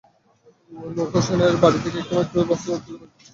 নূর হোসেনের বাড়ি থেকে একটি মাইক্রোবাস জব্দ করা হয়েছে বলে জানিয়েছে পুলিশ।